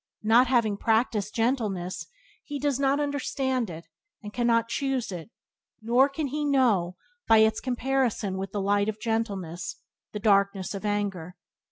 Not having practiced gentleness, he does not understand it, and cannot choose it; nor can he know, by its comparison with the light of gentleness, the darkness of anger.